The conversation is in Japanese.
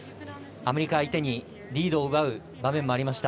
アメリカ相手にリードを奪う場面もありました。